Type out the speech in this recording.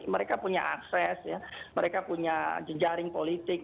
mereka punya akses mereka punya jejaring politik